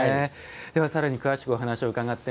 ではさらに詳しくお話を伺ってまいりましょう。